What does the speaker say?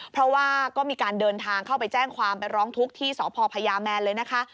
เพราะว่าก็มีการเดินทางเข้าไปแจ้งความไปร้องทุกข์ที่สพพญาแมนเลยนะคะ